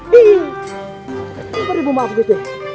tidak perlu memaaf gusti